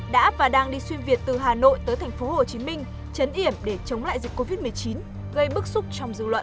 đã và đang đi xuyên việt từ hà nội tới tp hcm chấn yểm để chống lại dịch covid một mươi chín gây bức xúc trong dư luận